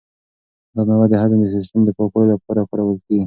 دا مېوه د هضم د سیسټم د پاکوالي لپاره کارول کیږي.